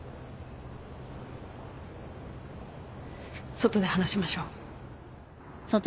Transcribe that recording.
外で話しましょう